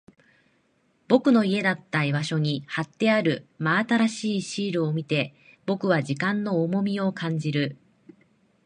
僕の家だった場所に貼ってある真新しいシールを見て、僕は時間の重みを感じる。